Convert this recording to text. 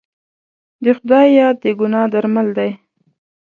د خدای یاد د ګناه درمل دی.